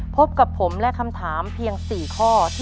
พบกับผมและคำถามเพียง๔ข้อ